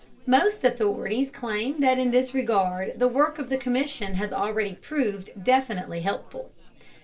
Most authorities claim that in this regard the work of the Commission has already proved definitely helpful.